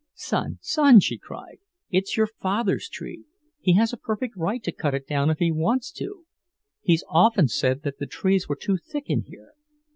"Son, son," she cried, "it's your father's tree. He has a perfect right to cut it down if he wants to. He's often said the trees were too thick in here.